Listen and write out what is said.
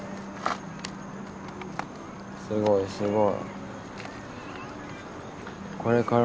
すごいすごい。